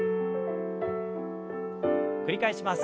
繰り返します。